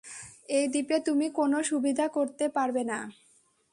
এই দ্বীপে তুমি কোনো সুবিধা করতে পারবে না।